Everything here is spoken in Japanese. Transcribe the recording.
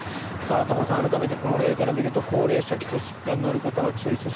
玉川さん、改めてこの例から見ると高齢者、基礎疾患のある方は注意。